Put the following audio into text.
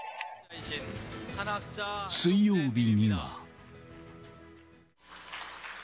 水曜日には。